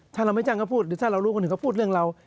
ถ้าเราไม่จ้างก็พูดหรือถ้าเรารู้คนอื่นก็พูดเรื่องเรา